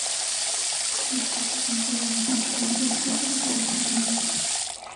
El distrito compró el edificio con el presupuesto de operaciones generales.